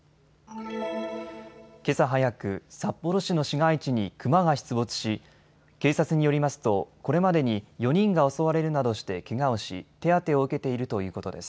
けさ早く、札幌市の市街地にクマが出没し警察によりますと、これまでに４人が襲われるなどしてけがをし、手当てを受けているということです。